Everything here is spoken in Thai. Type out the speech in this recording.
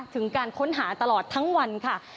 ถึงการค้นหาตลอดทั้งวันค่ะ